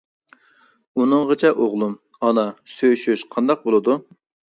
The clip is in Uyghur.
ئۇنىڭغىچە ئوغلۇم، ئانا سۆيۈشۈش قانداق بولىدۇ.